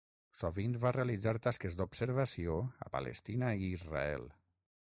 Sovint va realitzar tasques d'observació a Palestina i Israel.